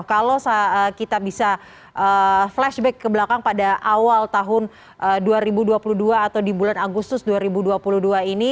kalau kita bisa flashback ke belakang pada awal tahun dua ribu dua puluh dua atau di bulan agustus dua ribu dua puluh dua ini